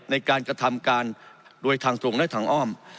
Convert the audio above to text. ในการกระทำการโดยทางตรงและทางอ้อม